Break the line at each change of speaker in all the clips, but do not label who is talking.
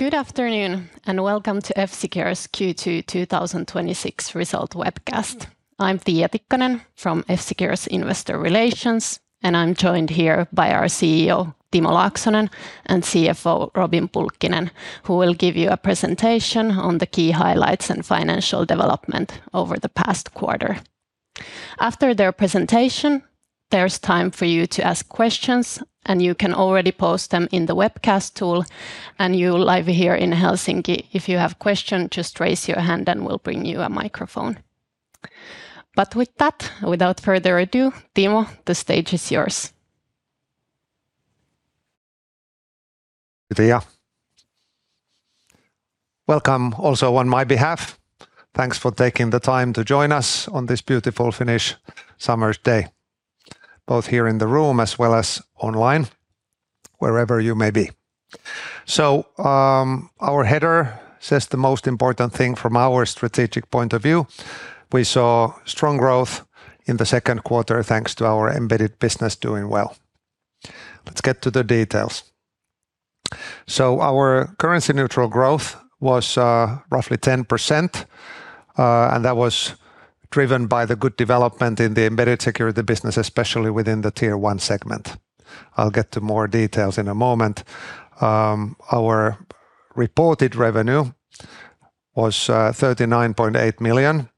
Good afternoon, welcome to F-Secure's Q2 2026 Result Webcast. I'm Tiia Tikkanen from F-Secure's Investor Relations, and I'm joined here by our CEO, Timo Laaksonen, and CFO, Robin Pulkkinen, who will give you a presentation on the key highlights and financial development over the past quarter. After their presentation, there's time for you to ask questions, you can already post them in the webcast tool. You live here in Helsinki, if you have question, just raise your hand and we'll bring you a microphone. With that, without further ado, Timo, the stage is yours.
Thank you, Tiia. Welcome also on my behalf. Thanks for taking the time to join us on this beautiful Finnish summer's day, both here in the room as well as online, wherever you may be. Our header says the most important thing from our strategic point of view. We saw strong growth in the second quarter, thanks to our embedded business doing well. Let's get to the details. Our currency-neutral growth was roughly 10%, that was driven by the good development in the embedded security business, especially within the Tier 1 segment. I'll get to more details in a moment. Our reported revenue was 39.8 million.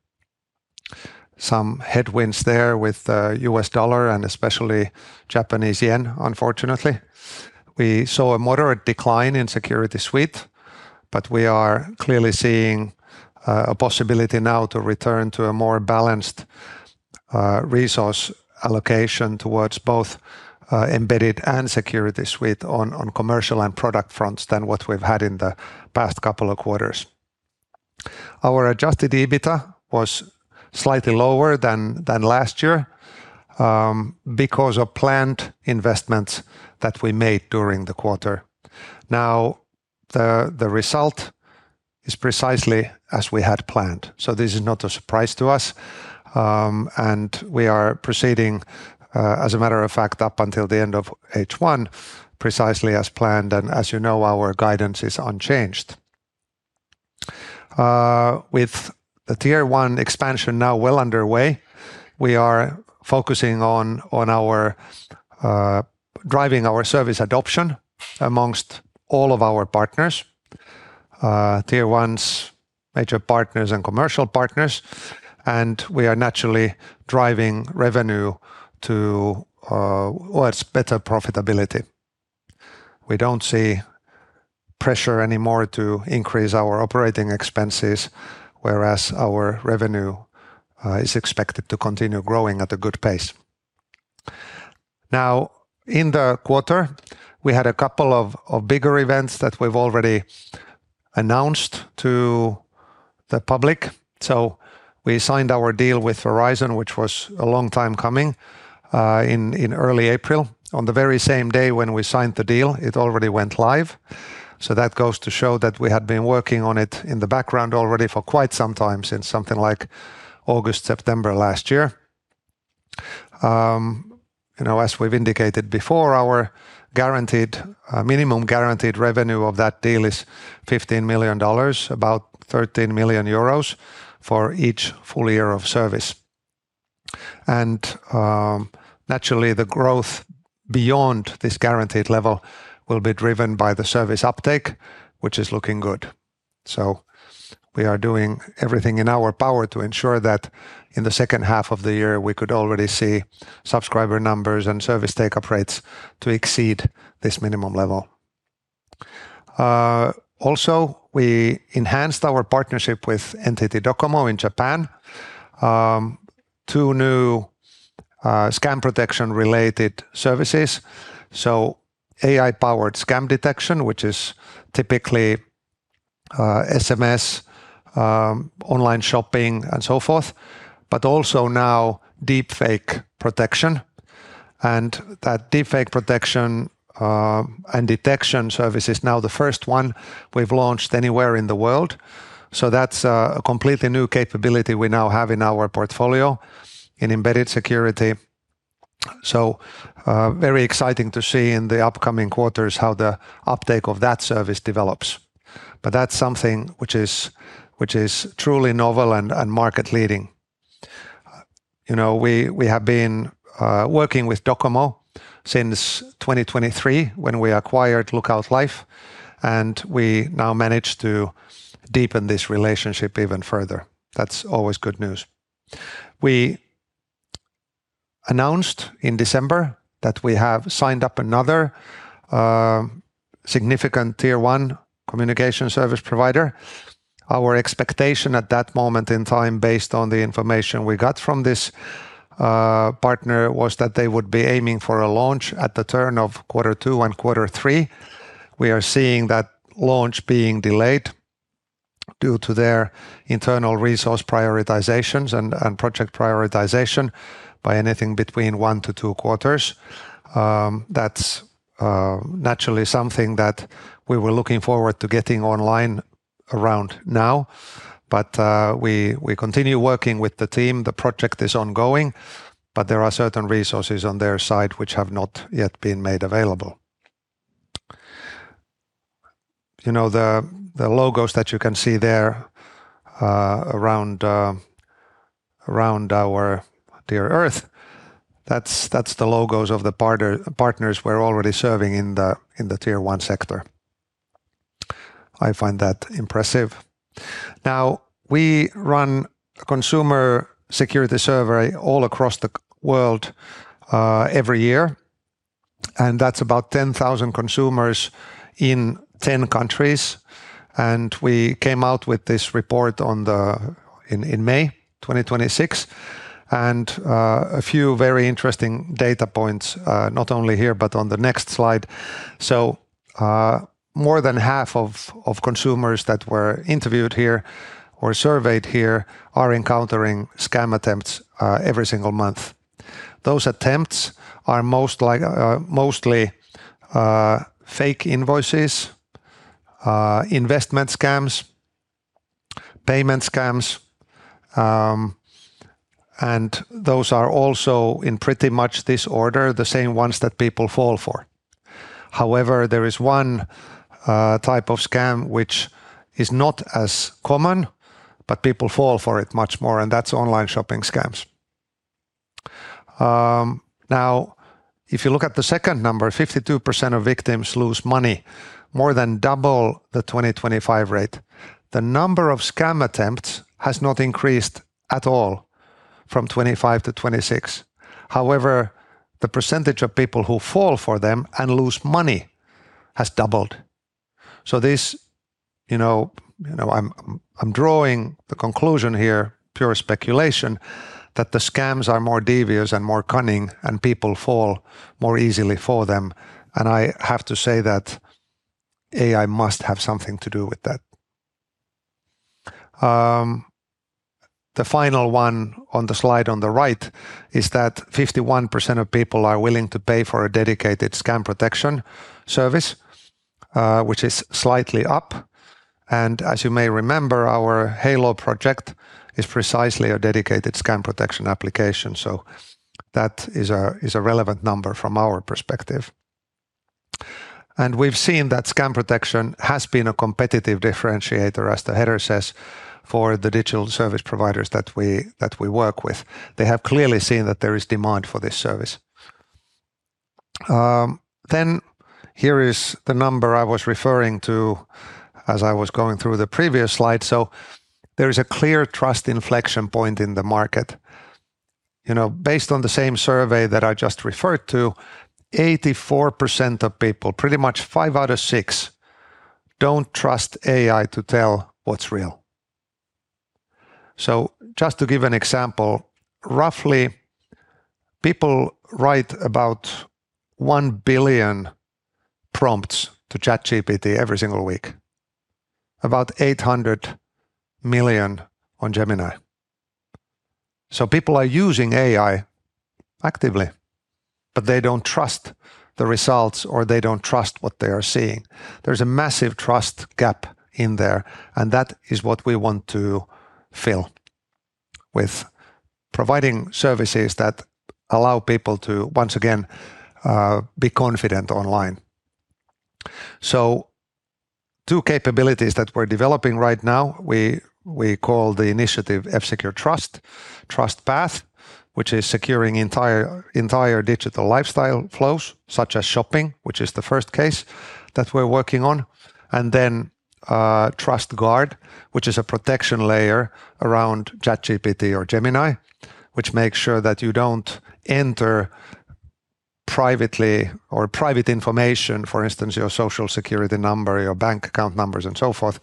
Some headwinds there with U.S. dollar and especially Japanese yen, unfortunately. We saw a moderate decline in Security Suite, we are clearly seeing a possibility now to return to a more balanced resource allocation towards both embedded and Security Suite on commercial and product fronts than what we've had in the past couple of quarters. Our adjusted EBITA was slightly lower than last year because of planned investments that we made during the quarter. The result is precisely as we had planned. This is not a surprise to us. We are proceeding, as a matter of fact, up until the end of H1 precisely as planned, and as you know, our guidance is unchanged. With the Tier 1 expansion now well underway, we are focusing on driving our service adoption amongst all of our partners. Tier 1's major partners and commercial partners. We are naturally driving revenue towards better profitability. We don't see pressure anymore to increase our operating expenses, whereas our revenue is expected to continue growing at a good pace. In the quarter, we had a couple of bigger events that we've already announced to the public. We signed our deal with Verizon, which was a long time coming, in early April. On the very same day when we signed the deal, it already went live. That goes to show that we had been working on it in the background already for quite some time, since something like August, September last year. As we've indicated before, our minimum guaranteed revenue of that deal is $15 million, about 13 million euros for each full year of service. Naturally, the growth beyond this guaranteed level will be driven by the service uptake, which is looking good. We are doing everything in our power to ensure that in the second half of the year, we could already see subscriber numbers and service take-up rates to exceed this minimum level. We enhanced our partnership with NTT DOCOMO in Japan. Two new Scam Protection related services. AI-powered scam detection, which is typically SMS, online shopping, and so forth, but also now Deepfake Protection. That Deepfake Protection and Detection service is now the first one we've launched anywhere in the world. That's a completely new capability we now have in our portfolio in Embedded Security. Very exciting to see in the upcoming quarters how the uptake of that service develops. That's something which is truly novel and market leading. We have been working with DOCOMO since 2023 when we acquired Lookout Life, and we now managed to deepen this relationship even further. That's always good news. We announced in December that we have signed up another significant Tier 1 communication service provider. Our expectation at that moment in time, based on the information we got from this partner, was that they would be aiming for a launch at the turn of quarter two and quarter three. We are seeing that launch being delayed due to their internal resource prioritizations and project prioritization by anything between one to two quarters. That's naturally something that we were looking forward to getting online around now. We continue working with the team. The project is ongoing, but there are certain resources on their side which have not yet been made available. The logos that you can see there around our dear Earth, that's the logos of the partners we're already serving in the Tier 1 sector. I find that impressive. We run a consumer security survey all across the world every year, and that's about 10,000 consumers in 10 countries. We came out with this report in May 2026, and a few very interesting data points, not only here but on the next slide. More than half of consumers that were interviewed here or surveyed here are encountering scam attempts every single month. Those attempts are mostly fake invoices, investment scams, payment scams. Those are also, in pretty much this order, the same ones that people fall for. There is one type of scam which is not as common, but people fall for it much more, and that's online shopping scams. If you look at the second number, 52% of victims lose money, more than double the 2025 rate. The number of scam attempts has not increased at all from 2025 to 2026. The percentage of people who fall for them and lose money has doubled. I'm drawing the conclusion here, pure speculation, that the scams are more devious and more cunning, and people fall more easily for them. I have to say that AI must have something to do with that. The final one on the slide on the right is that 51% of people are willing to pay for a dedicated Scam Protection service, which is slightly up. As you may remember, our Halo Project is precisely a dedicated Scam Protection application. That is a relevant number from our perspective. We've seen that Scam Protection has been a competitive differentiator, as the header says, for the digital service providers that we work with. They have clearly seen that there is demand for this service. Here is the number I was referring to as I was going through the previous slide. There is a clear trust inflection point in the market. Based on the same survey that I just referred to, 84% of people, pretty much five out of six, don't trust AI to tell what's real. Just to give an example, roughly, people write about one billion prompts to ChatGPT every single week. About 800 million on Gemini. People are using AI actively, but they don't trust the results, or they don't trust what they are seeing. There's a massive trust gap in there, and that is what we want to fill with providing services that allow people to, once again, be confident online. Two capabilities that we're developing right now, we call the initiative F-Secure Trust. TrustPath, which is securing entire digital lifestyle flows, such as shopping, which is the first case that we're working on. TrustGuard, which is a protection layer around ChatGPT or Gemini, which makes sure that you don't enter private information, for instance, your Social Security number, your bank account numbers, and so forth,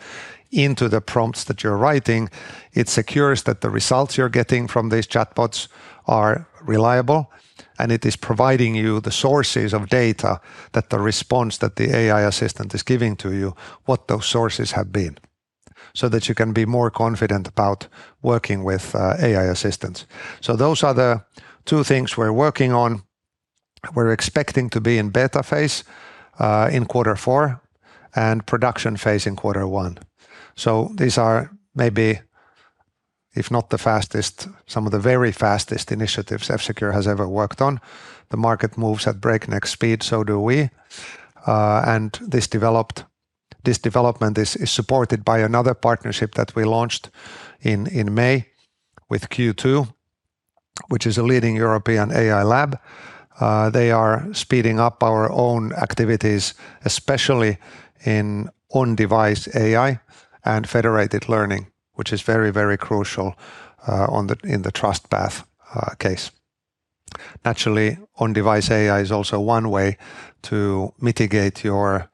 into the prompts that you're writing. It secures that the results you're getting from these chatbots are reliable, and it is providing you the sources of data that the response that the AI assistant is giving to you, what those sources have been, so that you can be more confident about working with AI assistants. Those are the two things we're working on. We're expecting to be in beta phase in quarter four and production phase in quarter one. These are maybe, if not the fastest, some of the very fastest initiatives F-Secure has ever worked on. The market moves at breakneck speed, so do we. This development is supported by another partnership that we launched in May with Qutwo, which is a leading European AI lab. They are speeding up our own activities, especially in on-device AI and federated learning, which is very crucial in the TrustPath case. Naturally, on-device AI is also one way to mitigate your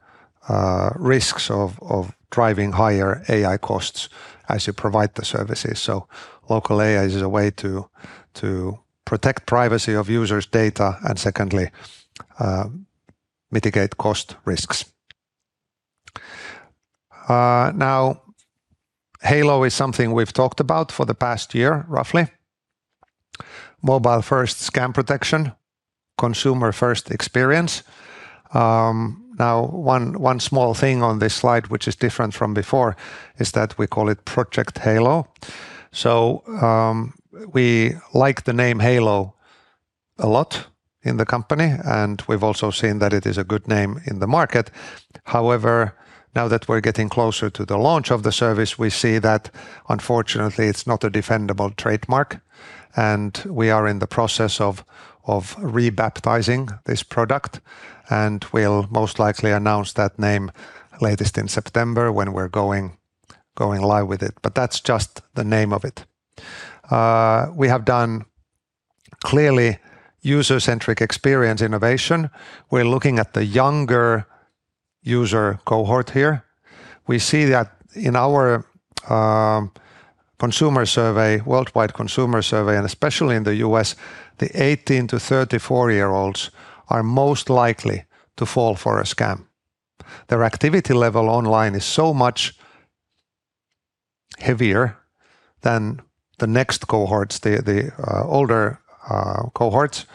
risks of driving higher AI costs as you provide the services. Local AI is a way to protect privacy of users' data and secondly, mitigate cost risks. Halo is something we've talked about for the past year, roughly Mobile-first Scam Protection, consumer first experience. One small thing on this slide, which is different from before, is that we call it Project Halo. We like the name Halo a lot in the company. We've also seen that it is a good name in the market. However, now that we're getting closer to the launch of the service, we see that unfortunately it's not a defendable trademark and we are in the process of rebaptizing this product, and we'll most likely announce that name latest in September when we're going live with it. That's just the name of it. We have done clearly user-centric experience innovation. We're looking at the younger user cohort here. We see that in our worldwide consumer survey, and especially in the U.S., the 18-34-year-olds are most likely to fall for a scam. Their activity level online is so much heavier than the next cohorts, the older cohorts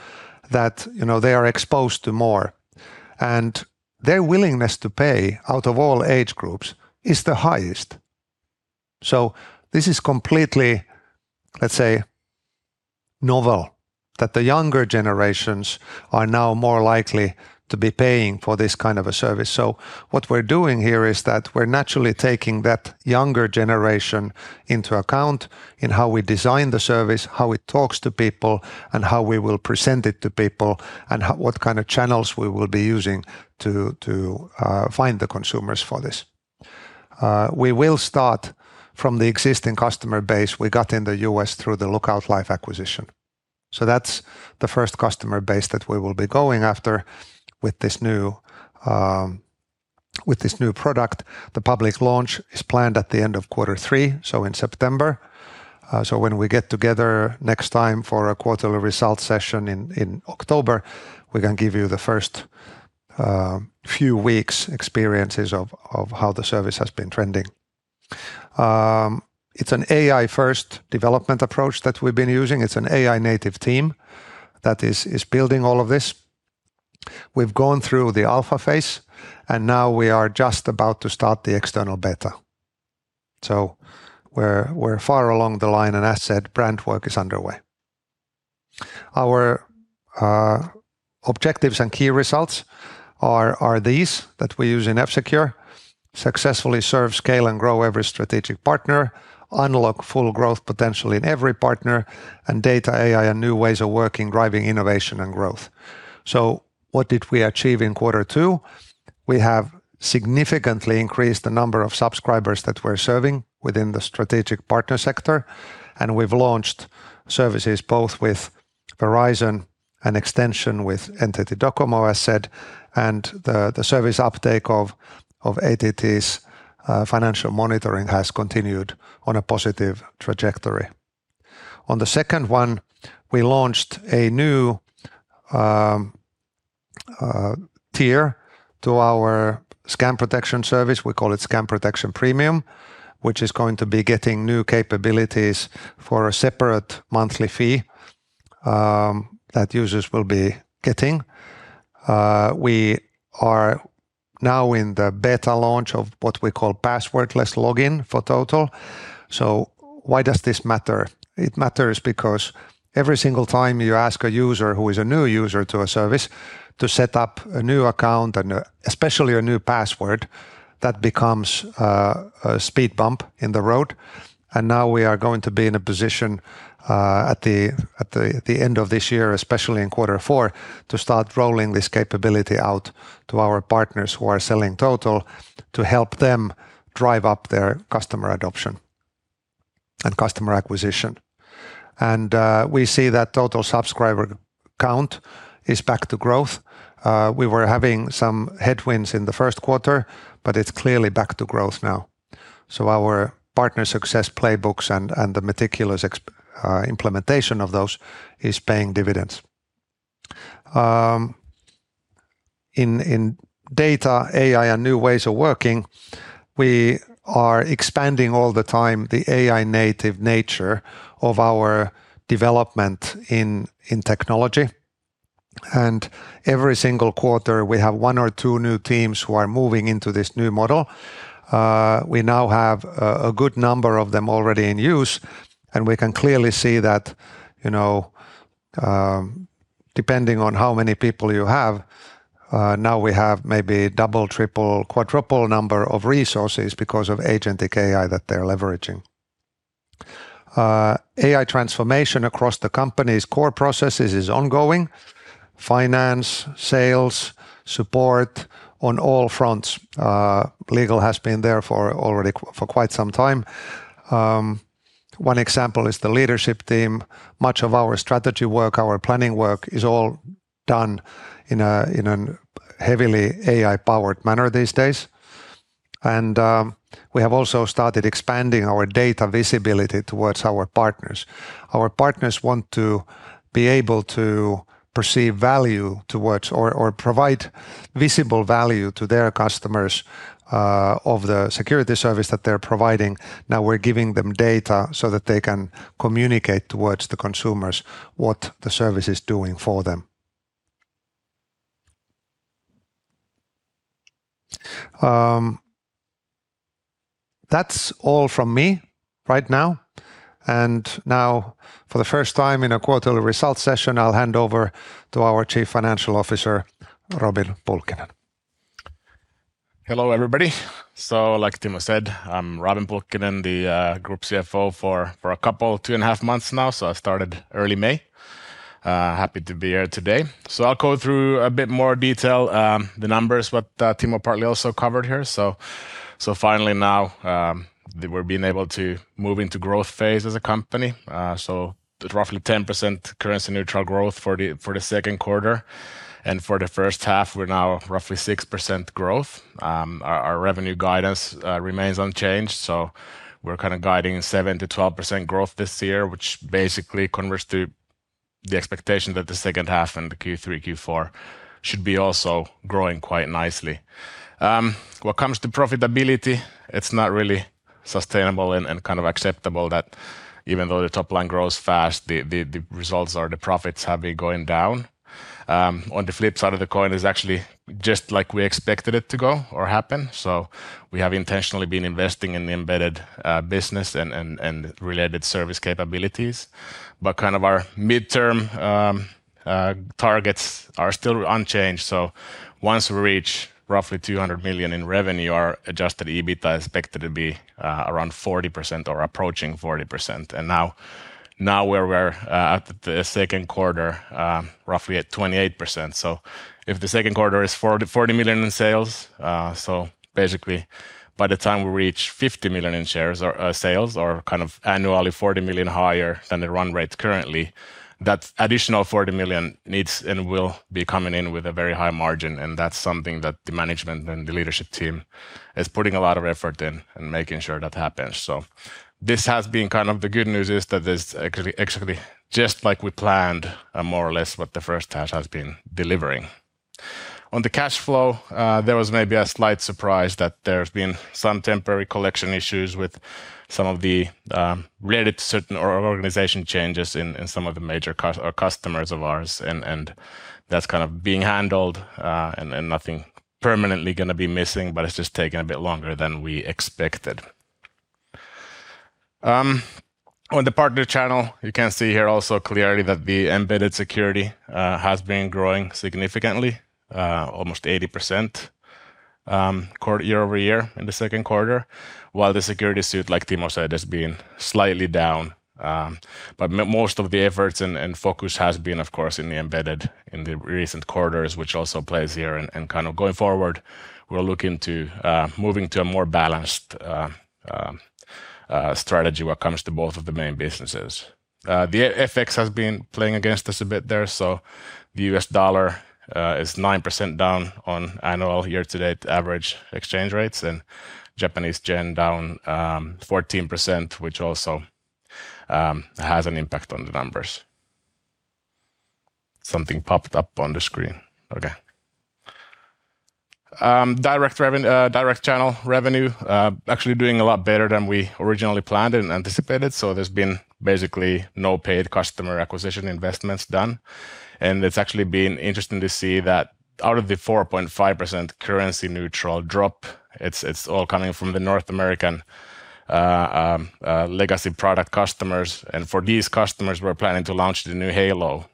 that they are exposed to more, and their willingness to pay out of all age groups is the highest. This is completely, let's say, novel that the younger generations are now more likely to be paying for this kind of a service. What we're doing here is that we're naturally taking that younger generation into account in how we design the service, how it talks to people, and how we will present it to people, and what kind of channels we will be using to find the consumers for this. We will start from the existing customer base we got in the U.S. through the Lookout Life acquisition. That's the first customer base that we will be going after with this new product. The public launch is planned at the end of quarter three, in September. When we get together next time for a quarterly results session in October, we're going to give you the first few weeks experiences of how the service has been trending. It's an AI-first development approach that we've been using. It's an AI-native team that is building all of this. We've gone through the alpha phase, and now we are just about to start the external beta. We're far along the line, and as said, brand work is underway. Our objectives and key results are these that we use in F-Secure. Successfully serve, scale, and grow every strategic partner, unlock full growth potential in every partner, Data, AI, and new ways of working, driving innovation and growth. What did we achieve in quarter two? We have significantly increased the number of subscribers that we're serving within the strategic partner sector, and we've launched services both with Verizon and extension with NTT DOCOMO, as said, and the service uptake of AT&T's financial monitoring has continued on a positive trajectory. On the second one, we launched a new tier to our Scam Protection service. We call it Scam Protection Premium, which is going to be getting new capabilities for a separate monthly fee that users will be getting. We are now in the beta launch of what we call passwordless login for Total. Why does this matter? It matters because every single time you ask a user who is a new user to a service to set up a new account and especially a new password, that becomes a speed bump in the road. Now we are going to be in a position, at the end of this year, especially in quarter four, to start rolling this capability out to our partners who are selling Total to help them drive up their customer adoption and customer acquisition. We see that Total subscriber count is back to growth. We were having some headwinds in the first quarter, but it's clearly back to growth now. Our partner success playbooks and the meticulous implementation of those is paying dividends. In Data, AI, and new ways of working, we are expanding all the time the AI-native nature of our development in technology. Every single quarter, we have one or two new teams who are moving into this new model. We now have a good number of them already in use, we can clearly see that depending on how many people you have, now we have maybe double, triple, quadruple number of resources because of agentic AI that they're leveraging. AI transformation across the company's core processes is ongoing. Finance, sales, support on all fronts. Legal has been there for already for quite some time. One example is the leadership team. Much of our strategy work, our planning work is all done in a heavily AI-powered manner these days. We have also started expanding our data visibility towards our partners. Our partners want to be able to perceive value towards or provide visible value to their customers of the security service that they're providing. Now we're giving them data so that they can communicate towards the consumers what the service is doing for them. That's all from me right now. Now for the first time in a quarterly results session, I'll hand over to our Chief Financial Officer, Robin Pulkkinen.
Hello, everybody. Like Timo said, I'm Robin Pulkkinen, the Group CFO for a couple 2.5 months now. I started early May. Happy to be here today. I'll go through a bit more detail, the numbers, what Timo partly also covered here. Finally now, we're being able to move into growth phase as a company. Roughly 10% currency neutral growth for the second quarter. For the first half, we're now roughly 6% growth. Our revenue guidance remains unchanged. We're guiding 7%-12% growth this year, which basically converts to the expectation that the second half and the Q3, Q4 should be also growing quite nicely. When it comes to profitability, it's not really sustainable and acceptable that even though the top line grows fast, the results or the profits have been going down. On the flip side of the coin is actually just like we expected it to go or happen. We have intentionally been investing in the embedded business and related service capabilities. Our midterm targets are still unchanged. Once we reach roughly 200 million in revenue, our adjusted EBITA is expected to be around 40% or approaching 40%. Now we're at the second quarter, roughly at 28%. If the second quarter is 40 million in sales, basically by the time we reach 50 million in sales or annually 40 million higher than the run rate currently, that additional 40 million needs and will be coming in with a very high margin, that's something that the management and the leadership team is putting a lot of effort in and making sure that happens. This has been the good news is that this actually just like we planned more or less what the first half has been delivering. On the cash flow, there was maybe a slight surprise that there has been some temporary collection issues with some of the related to certain organization changes in some of the major customers of ours. That is being handled, and nothing permanently going to be missing, but it has just taken a bit longer than we expected. On the partner channel, you can see here also clearly that the embedded security has been growing significantly, almost 80% year-over-year in the second quarter, while the Security Suite, like Timo said, has been slightly down. Most of the efforts and focus has been, of course, in the embedded in the recent quarters, which also plays here. Going forward, we are looking to moving to a more balanced strategy when it comes to both of the main businesses. The FX has been playing against us a bit there. The U.S. dollar is 9% down on annual year-to-date average exchange rates and Japanese Yen down 14%, which also has an impact on the numbers. Something popped up on the screen. Okay. Direct channel revenue, actually doing a lot better than we originally planned and anticipated. There has been basically no paid customer acquisition investments done. It has actually been interesting to see that out of the 4.5% currency-neutral drop, it is all coming from the North American legacy product customers. For these customers, we are planning to launch the new Halo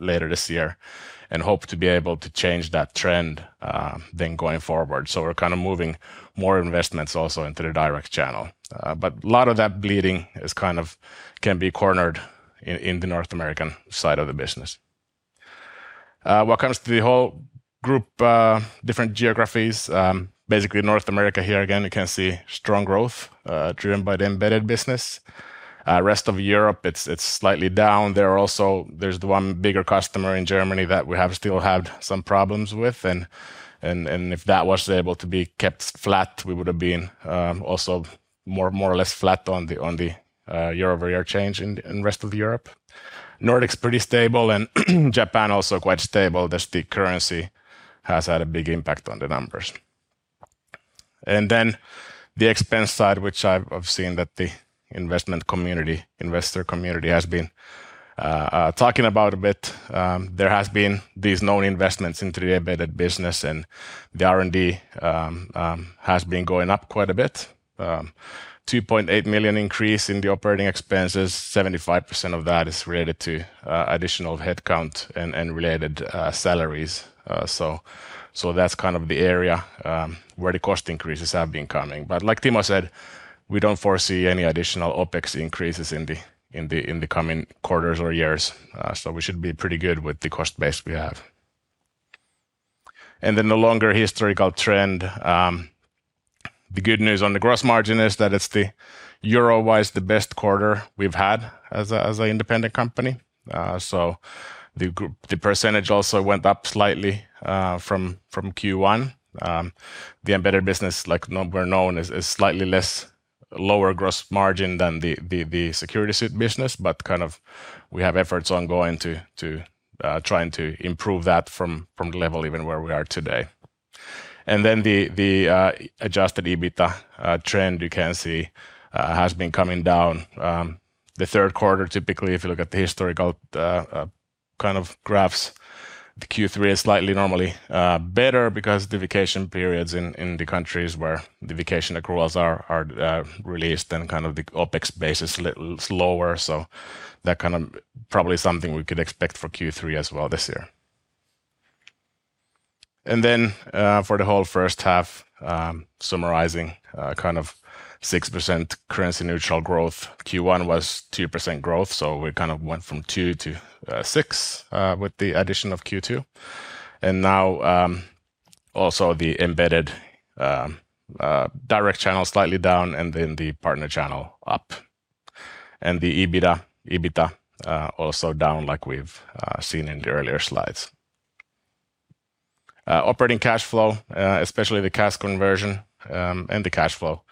later this year and hope to be able to change that trend going forward. We are moving more investments also into the direct channel. A lot of that bleeding can be cornered in the North American side of the business. What comes to the whole group different geographies, basically North America here again, you can see strong growth driven by the embedded business. Rest of Europe, it is slightly down. There is one bigger customer in Germany that we have still had some problems with, and if that was able to be kept flat, we would have been also more or less flat on the year-over-year change in rest of Europe. Nordics pretty stable and Japan also quite stable. Just the currency has had a big impact on the numbers. The expense side, which I have seen that the investor community has been talking about a bit. There has been these known investments into the embedded business, and the R&D has been going up quite a bit. 2.8 million increase in the operating expenses, 75% of that is related to additional headcount and related salaries. That is the area where the cost increases have been coming. Like Timo said, we do not foresee any additional OpEx increases in the coming quarters or years. We should be pretty good with the cost base we have. The longer historical trend the good news on the gross margin is that it is euro-wise the best quarter we have had as an independent company. The percentage also went up slightly from Q1. The embedded business, like we are known, is slightly lower gross margin than the Security Suite business, but we have efforts ongoing to try and improve that from the level even where we are today. The adjusted EBITA trend you can see has been coming down. The third quarter, typically, if you look at the historical graphs, the Q3 is slightly normally better because the vacation periods in the countries where the vacation accruals are released, the OpEx base is slower. That probably something we could expect for Q3 as well this year. For the whole first half, summarizing 6% currency neutral growth. Q1 was 2% growth, we went from 2%-6% with the addition of Q2. Also the embedded direct channel slightly down and the partner channel up. The EBITA also down like we've seen in the earlier slides. Operating cash flow, especially the cash conversion, and the cash flow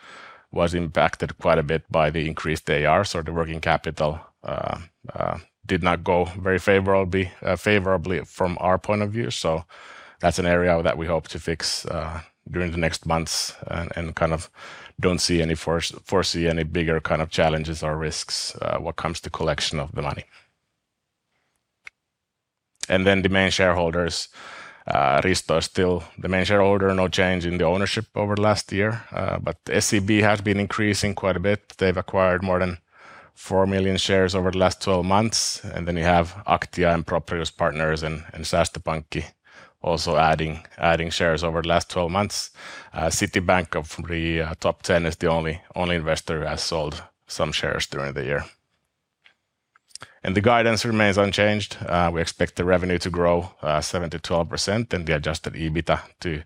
was impacted quite a bit by the increased AR. The working capital did not go very favorably from our point of view. That's an area that we hope to fix during the next months and don't foresee any bigger kind of challenges or risks when it comes to collection of the money. The main shareholders. Risto is still the main shareholder. No change in the ownership over last year. SCB has been increasing quite a bit. They've acquired more than 4 million shares over the last 12 months. You have Aktia and Proprius Partners and Säästöpankki also adding shares over the last 12 months. Citibank of the top 10 is the only investor who has sold some shares during the year. The guidance remains unchanged. We expect the revenue to grow 7%-12% and the adjusted EBITA to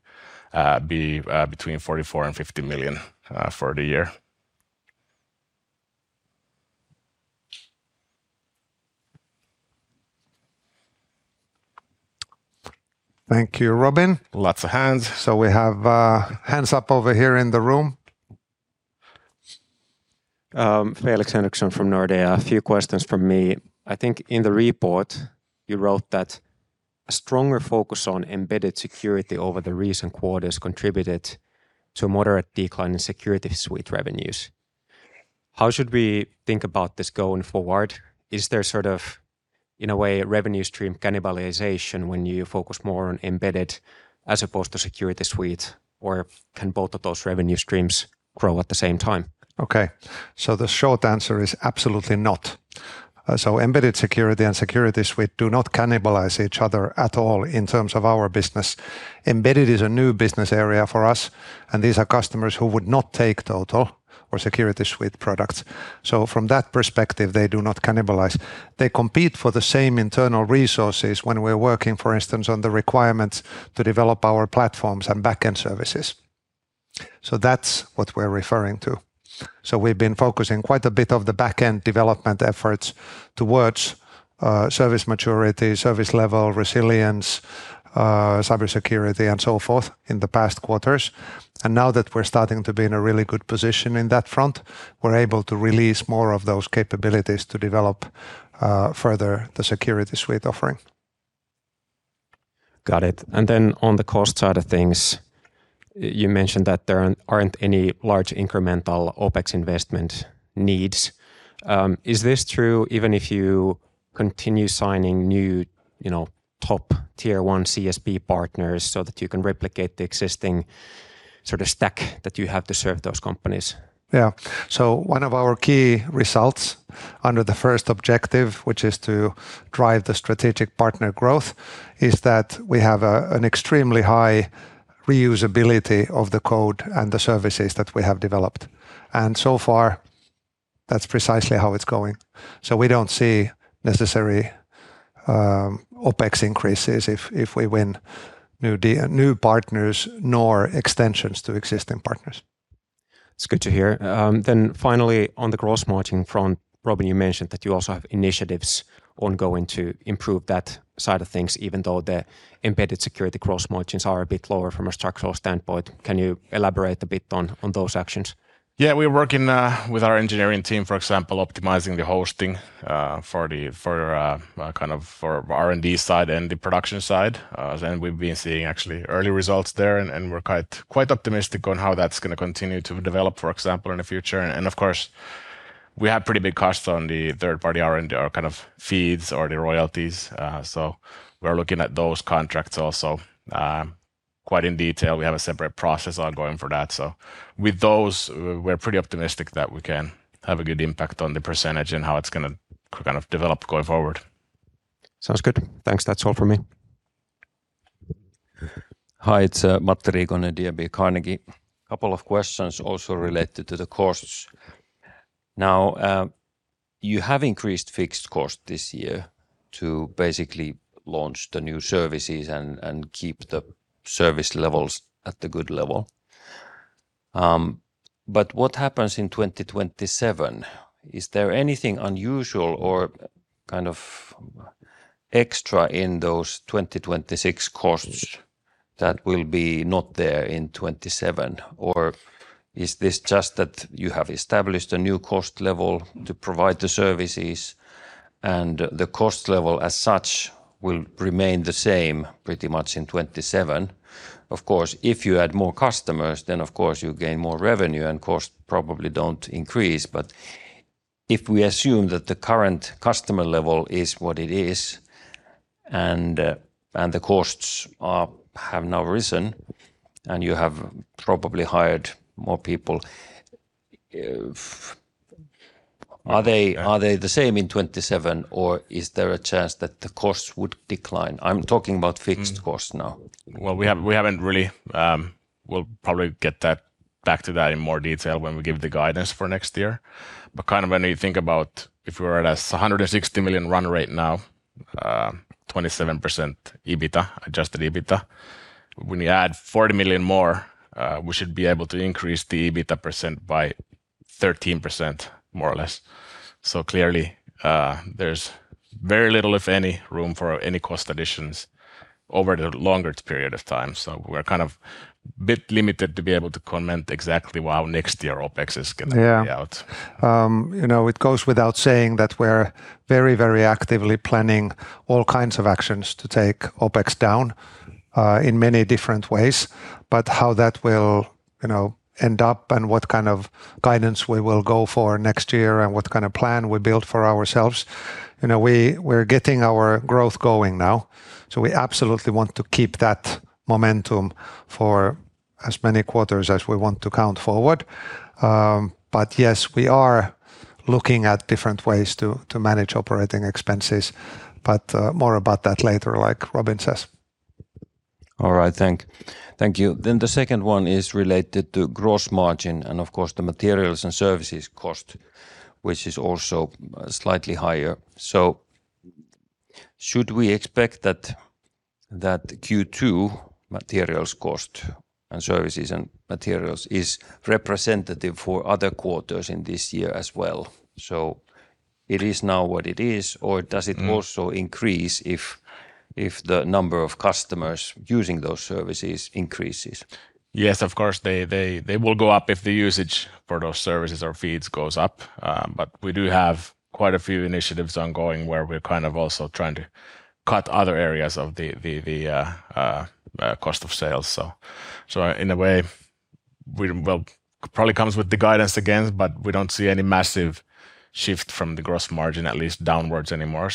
be between 44 million and 50 million for the year.
Thank you, Robin. Lots of hands. We have hands up over here in the room.
Felix Henriksson from Nordea. A few questions from me. I think in the report you wrote that a stronger focus on Embedded Security over the recent quarters contributed to a moderate decline in Security Suite revenues. How should we think about this going forward? Is there sort of, in a way, a revenue stream cannibalization when you focus more on Embedded Security as opposed to Security Suite, or can both of those revenue streams grow at the same time?
Okay. The short answer is absolutely not. Embedded Security and Security Suite do not cannibalize each other at all in terms of our business. Embedded Security is a new business area for us, and these are customers who would not take F-Secure Total or Security Suite products. From that perspective, they do not cannibalize. They compete for the same internal resources when we're working, for instance, on the requirements to develop our platforms and backend services. That's what we're referring to. We've been focusing quite a bit of the backend development efforts towards service maturity, service level, resilience, cybersecurity, and so forth in the past quarters. Now that we're starting to be in a really good position in that front, we are able to release more of those capabilities to develop further the Security Suite offering.
Got it. On the cost side of things, you mentioned that there aren't any large incremental OpEx investment needs. Is this true even if you continue signing new top Tier 1 CSP partners so that you can replicate the existing stack that you have to serve those companies?
Yeah. One of our key results under the first objective, which is to drive the strategic partner growth, is that we have an extremely high reusability of the code and the services that we have developed. So far, that's precisely how it's going. We don't see necessary OpEx increases if we win new partners, nor extensions to existing partners.
It's good to hear. Finally, on the gross margin front, Robin, you mentioned that you also have initiatives ongoing to improve that side of things, even though the Embedded Security gross margins are a bit lower from a structural standpoint. Can you elaborate a bit on those actions?
Yeah. We're working with our engineering team, for example, optimizing the hosting for R&D side and the production side. We've been seeing actually early results there, and we're quite optimistic on how that's going to continue to develop, for example, in the future. Of course, we have pretty big costs on the third party R&D, our kind of feeds or the royalties. We're looking at those contracts also quite in detail. We have a separate process ongoing for that. With those, we're pretty optimistic that we can have a good impact on the percentage and how it's going to develop going forward.
Sounds good. Thanks. That's all from me.
Hi, it's Matti Riikonen, DNB Carnegie. A couple of questions also related to the costs. You have increased fixed cost this year to basically launch the new services and keep the service levels at the good level. What happens in 2027? Is there anything unusual or extra in those 2026 costs that will be not there in 2027? Or is this just that you have established a new cost level to provide the services, and the cost level as such will remain the same pretty much in 2027? Of course, if you add more customers, then you gain more revenue and costs probably don't increase. If we assume that the current customer level is what it is and the costs have now risen and you have probably hired more people, are they the same in 2027 or is there a chance that the costs would decline? I'm talking about fixed costs now.
We'll probably get back to that in more detail when we give the guidance for next year. When you think about if we're at 160 million run rate now, 27% adjusted EBITA. When you add 40 million more, we should be able to increase the EBITDA percent by 13%, more or less. Clearly, there's very little, if any, room for any cost additions over the longer period of time. We're a bit limited to be able to comment exactly how next year OpEx is going to be out.
Yeah. It goes without saying that we're very actively planning all kinds of actions to take OpEx down in many different ways. How that will end up and what kind of guidance we will go for next year and what kind of plan we build for ourselves. We're getting our growth going now, we absolutely want to keep that momentum for as many quarters as we want to count forward. Yes, we are looking at different ways to manage operating expenses. More about that later, like Robin says.
All right, thank you. The second one is related to gross margin and of course, the materials and services cost, which is also slightly higher. Should we expect that Qutwo materials cost and services and materials is representative for other quarters in this year as well? It is now what it is, or does it also increase if the number of customers using those services increases?
Yes, of course, they will go up if the usage for those services or feeds goes up. We do have quite a few initiatives ongoing where we're also trying to cut other areas of the cost of sales. In a way, it probably comes with the guidance again, we don't see any massive shift from the gross margin, at least downwards anymore.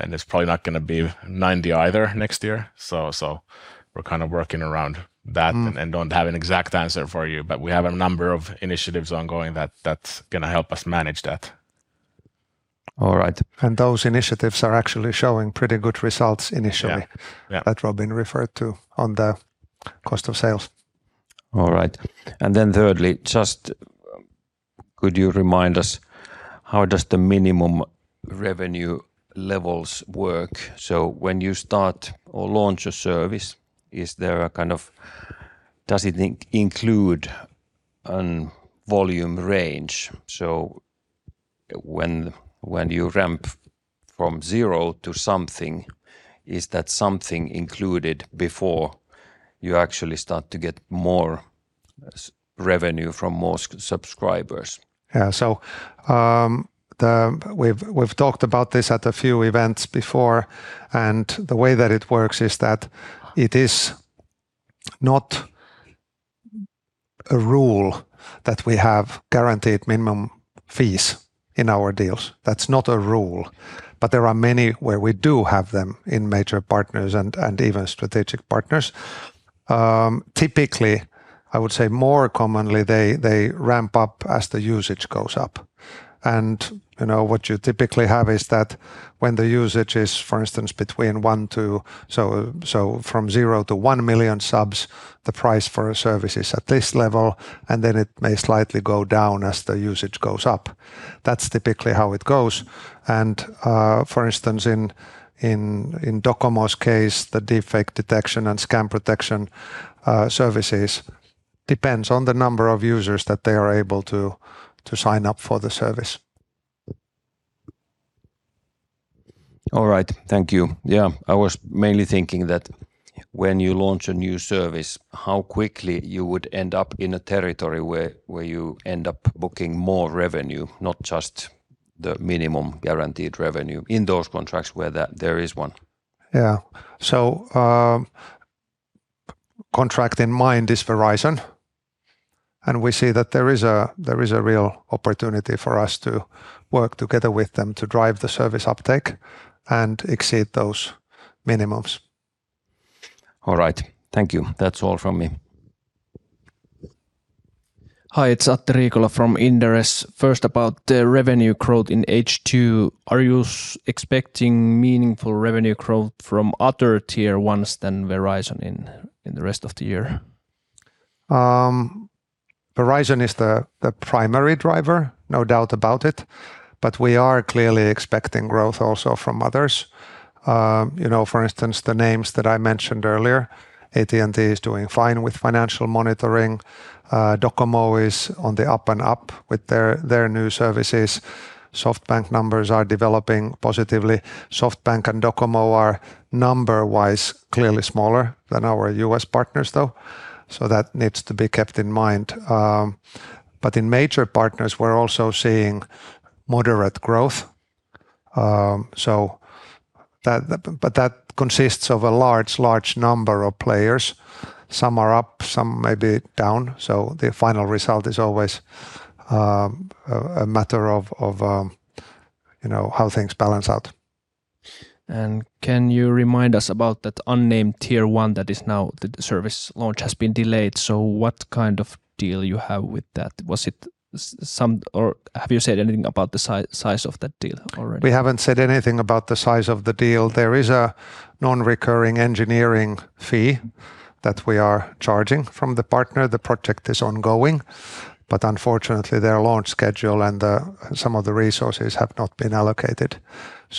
It's probably not going to be 90% either next year. We're working around that and don't have an exact answer for you. We have a number of initiatives ongoing that's going to help us manage that.
All right.
Those initiatives are actually showing pretty good results initially. That Robin referred to on the cost of sales.
All right. Then thirdly, could you remind us how does the minimum revenue levels work? When you start or launch a service, does it include a volume range? When you ramp from zero to something, is that something included before you actually start to get more revenue from more subscribers?
Yeah. We've talked about this at a few events before. The way that it works is that it is not a rule that we have guaranteed minimum fees in our deals. That's not a rule. There are many where we do have them in major partners and even strategic partners. Typically, I would say more commonly, they ramp up as the usage goes up. What you typically have is that when the usage is, for instance, from zero to 1 million subs, the price for a service is at this level, and then it may slightly go down as the usage goes up. That's typically how it goes. For instance, in DOCOMO's case, the Deepfake Detection and Scam Protection services depends on the number of users that they are able to sign up for the service.
All right. Thank you. I was mainly thinking that when you launch a new service, how quickly you would end up in a territory where you end up booking more revenue, not just the minimum guaranteed revenue in those contracts where there is one.
Yeah. Contract in mind is Verizon. We see that there is a real opportunity for us to work together with them to drive the service uptake and exceed those minimums.
All right. Thank you. That's all from me.
Hi, it's Atte Riikola from Inderes. First, about the revenue growth in H2. Are you expecting meaningful revenue growth from other Tier 1s than Verizon in the rest of the year?
Verizon is the primary driver, no doubt about it. We are clearly expecting growth also from others. For instance, the names that I mentioned earlier, AT&T is doing fine with financial monitoring. DOCOMO is on the up and up with their new services. SoftBank numbers are developing positively. SoftBank and DOCOMO are number-wise clearly smaller than our U.S. partners, though, so that needs to be kept in mind. In major partners, we're also seeing moderate growth. That consists of a large number of players. Some are up, some may be down, so the final result is always a matter of how things balance out.
Can you remind us about that unnamed Tier 1 that now the service launch has been delayed. What kind of deal you have with that? Have you said anything about the size of that deal already?
We haven't said anything about the size of the deal. There is a non-recurring engineering fee that we are charging from the partner. The project is ongoing, but unfortunately, their launch schedule and some of the resources have not been allocated.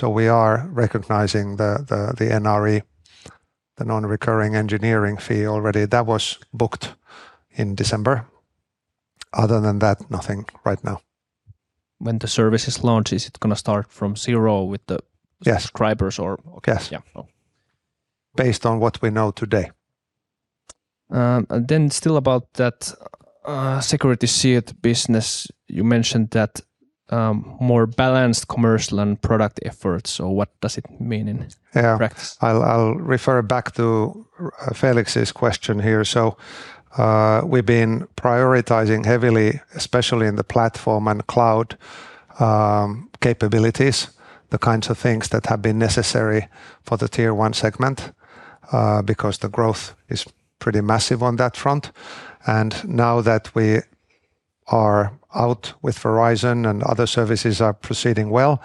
We are recognizing the NRE, the non-recurring engineering fee already. That was booked in December. Other than that, nothing right now.
When the service is launched, is it going to start from zero with subscribers or?
Yes
Okay.
Based on what we know today.
Still about that Security Suite business, you mentioned that more balanced commercial and product efforts. What does it mean in practice?
I'll refer back to Felix's question here. We've been prioritizing heavily, especially in the platform and cloud capabilities, the kinds of things that have been necessary for the Tier 1 segment, because the growth is pretty massive on that front. Now that we are out with Verizon and other services are proceeding well,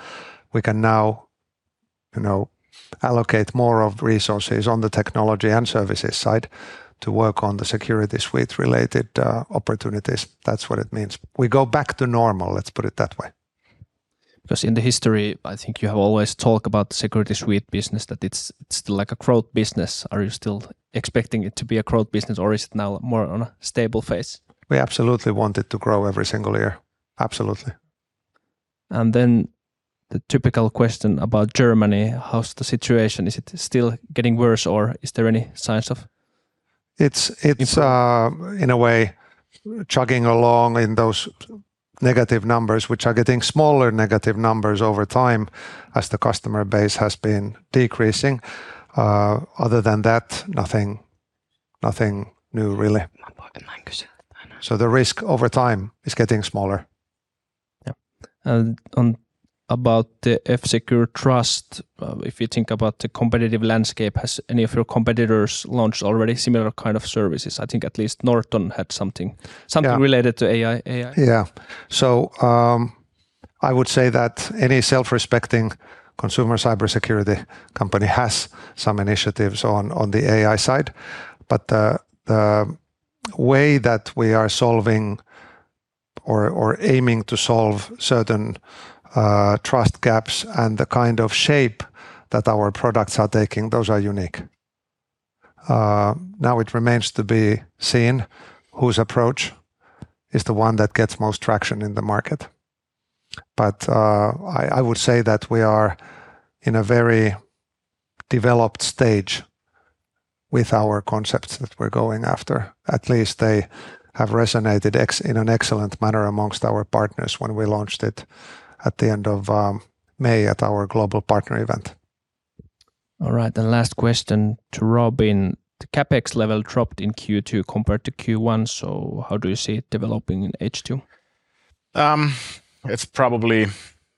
we can now allocate more of resources on the technology and services side to work on the Security Suite related opportunities. That's what it means. We go back to normal, let's put it that way.
In the history, I think you have always talked about Security Suite business, that it's still like a growth business. Are you still expecting it to be a growth business, or is it now more on a stable phase?
We absolutely want it to grow every single year. Absolutely.
The typical question about Germany, how's the situation? Is it still getting worse, or is there any signs of improvement?
It's in a way chugging along in those negative numbers, which are getting smaller negative numbers over time as the customer base has been decreasing. Other than that, nothing new really. The risk over time is getting smaller.
Yeah. About the F-Secure Trust, if you think about the competitive landscape, has any of your competitors launched already similar kind of services? I think at least Norton had something related to AI.
Yeah. I would say that any self-respecting consumer cybersecurity company has some initiatives on the AI side. The way that we are solving or aiming to solve certain trust gaps and the kind of shape that our products are taking, those are unique. Now it remains to be seen whose approach is the one that gets most traction in the market. I would say that we are in a very developed stage with our concepts that we're going after. At least they have resonated in an excellent manner amongst our partners when we launched it at the end of May at our global partner event.
Last question to Robin. The CapEx level dropped in Q2 compared to Q1, so how do you see it developing in H2?
It's probably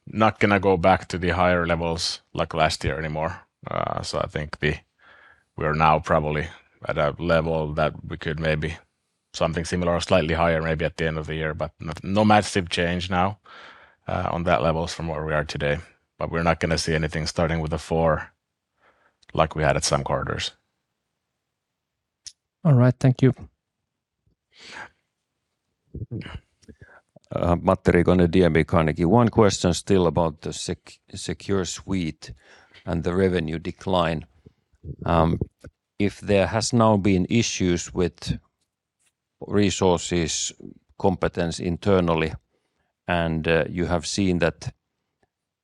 not going to go back to the higher levels like last year anymore. I think we are now probably at a level that we could maybe something similar or slightly higher maybe at the end of the year, but no massive change now on that level from where we are today. We're not going to see anything starting with a four like we had at some quarters.
All right. Thank you.
Matti Riikonen, DNB Carnegie. One question still about the Security Suite and the revenue decline. If there has now been issues with resources, competence internally, and you have seen that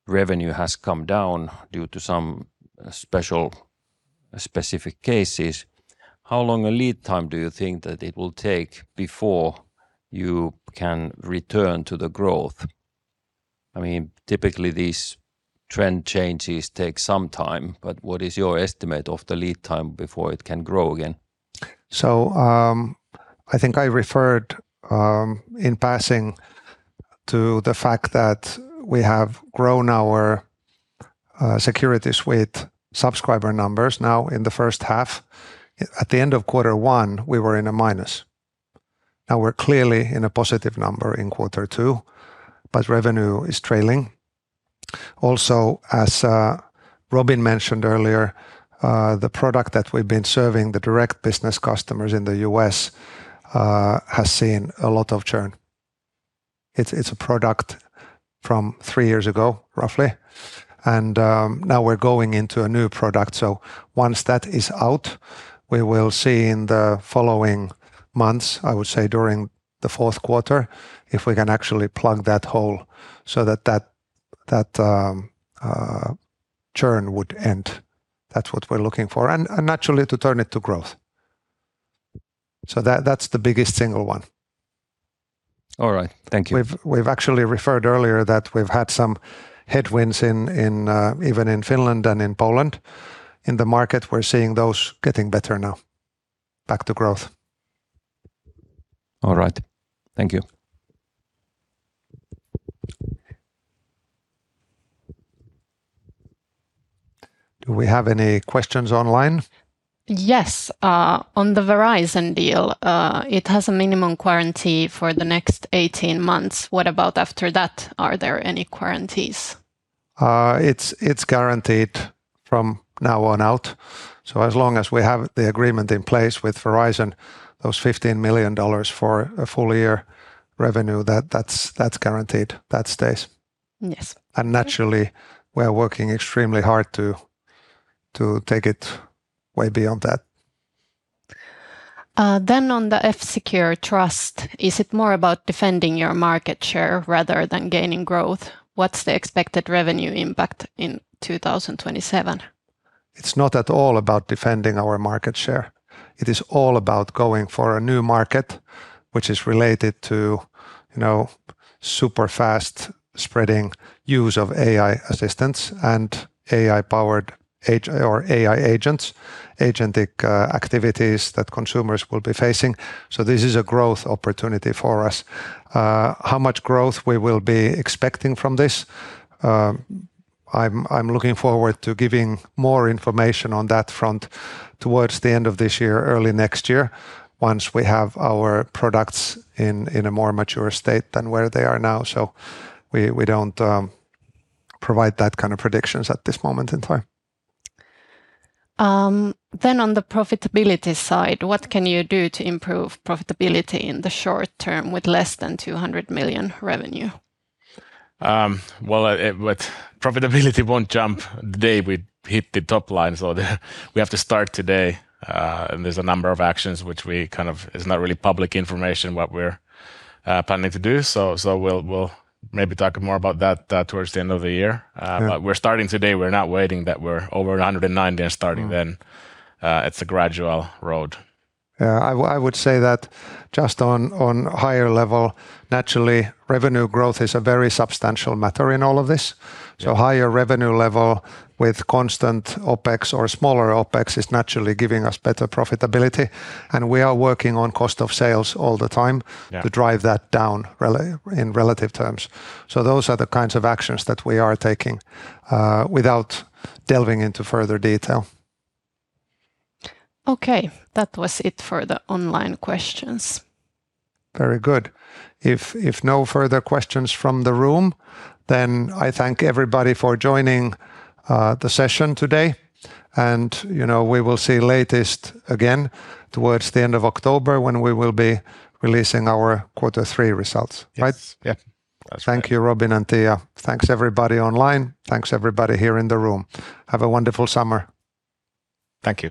revenue has come down due to some specific cases, how long a lead time do you think that it will take before you can return to the growth? Typically, these trend changes take some time, but what is your estimate of the lead time before it can grow again?
I think I referred in passing to the fact that we have grown our Security Suite subscriber numbers now in the first half. At the end of quarter one, we were in a minus. Now we're clearly in a positive number in quarter two. Revenue is trailing. As Robin mentioned earlier, the product that we've been serving the direct business customers in the U.S. has seen a lot of churn. It's a product from three years ago, roughly. Now we're going into a new product. Once that is out, we will see in the following months, I would say during the fourth quarter, if we can actually plug that hole so that churn would end. That's what we're looking for. Naturally, to turn it to growth. That's the biggest single one.
All right. Thank you.
We've actually referred earlier that we've had some headwinds even in Finland and in Poland. In the market, we're seeing those getting better now, back to growth.
All right. Thank you.
Do we have any questions online?
Yes. On the Verizon deal, it has a minimum guarantee for the next 18 months. What about after that? Are there any guarantees?
It's guaranteed from now on out. As long as we have the agreement in place with Verizon, those $15 million for a full year revenue, that's guaranteed. That stays.
Yes.
Naturally, we are working extremely hard to take it way beyond that.
On the F-Secure Trust, is it more about defending your market share rather than gaining growth? What's the expected revenue impact in 2027?
It's not at all about defending our market share. It is all about going for a new market, which is related to super fast spreading use of AI assistance and AI powered or AI agents, agentic activities that consumers will be facing. This is a growth opportunity for us. How much growth we will be expecting from this? I'm looking forward to giving more information on that front towards the end of this year, early next year, once we have our products in a more mature state than where they are now. We don't provide that kind of predictions at this moment in time.
On the profitability side, what can you do to improve profitability in the short term with less than 200 million revenue?
Well, profitability won't jump the day we hit the top line. We have to start today. There's a number of actions which we kind of, it's not really public information what we're planning to do. We'll maybe talk more about that towards the end of the year. We're starting today. We're not waiting that we're over 190 and starting then. It's a gradual road.
Yeah. I would say that just on higher level, naturally, revenue growth is a very substantial matter in all of this. Higher revenue level with constant OpEx or smaller OpEx is naturally giving us better profitability, and we are working on cost of sales all the time to drive that down in relative terms. Those are the kinds of actions that we are taking without delving into further detail.
Okay. That was it for the online questions.
Very good. If no further questions from the room, then I thank everybody for joining the session today, and we will see latest again towards the end of October when we will be releasing our quarter three results, right?
Yeah. That's right.
Thank you, Robin and Tiia. Thanks, everybody online. Thanks, everybody here in the room. Have a wonderful summer.
Thank you.